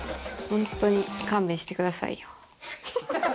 本当に勘弁してください。